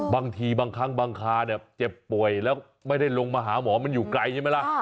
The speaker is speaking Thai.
บางทีบางครั้งบางคาเนี่ยเจ็บป่วยแล้วไม่ได้ลงมาหาหมอมันอยู่ไกลใช่ไหมล่ะ